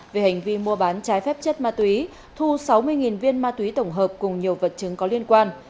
về hành vi mua bán trái phép chất ma túy thu sáu mươi viên ma túy tổng hợp cùng nhiều vật chứng có liên quan